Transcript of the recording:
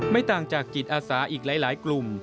ไม่ต่างจากจิตอาสาอีกหลายกลุ่ม